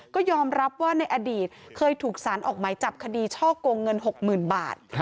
ก็ยอมรับว่าในอดีตเคยถูกสารออกหมายจับคดีช่อกงเงิน๖๐๐๐บาท